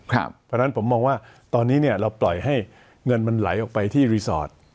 เพราะฉะนั้นผมมองว่าตอนนี้เราปล่อยให้เงินมันไหลออกไปที่รีสอร์ท